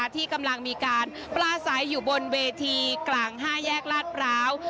ที่กำลังมีการปลาใสอยู่บนเวทีกลาง๕แยกลาดพร้าว